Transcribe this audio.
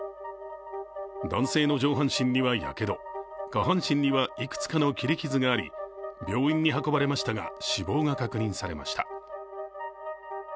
男性の上半身にはやけど、下半身には幾つかの切り傷があり、病院に運ばれましたが死亡が確認されました。